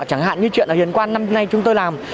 chẳng hạn như chuyện ở hiền quang năm nay chúng tôi làm